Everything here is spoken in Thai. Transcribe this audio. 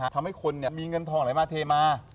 ทำให้คนมีเงินทองไหลมาเทมา